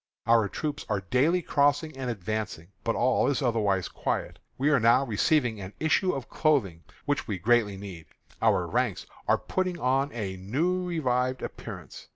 Our troops are daily crossing and advancing, but all is otherwise quiet. We are now receiving an issue of clothing, which we greatly need. Our ranks are putting on a new revived appearance.